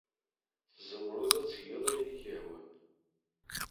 Tzemreḍ ad tgeḍ ayen i k-yehwan.